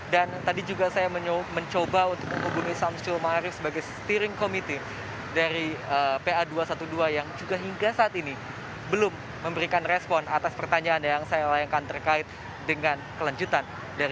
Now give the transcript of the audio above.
dan tadi juga saya mencoba untuk menghubungi samsyul ma'arif sebagai steering committee dari pa dua ratus dua belas yang juga hingga saat ini belum memberikan respon atas pertanyaan yang saya layankan terkait dengan kelanjutan